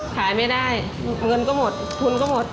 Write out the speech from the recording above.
ขายไม่ได้เงินก็หมดทุนก็หมด